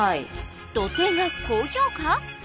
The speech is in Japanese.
土手が好評価